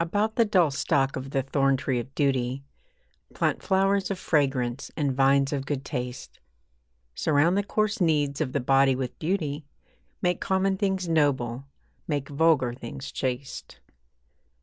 About the dull stalk of the thorntree of duty Plant flowers of fragrance and vines of good taste. Surround the coarse needs of the body with beauty, Make common things noble, make vulgar things chaste.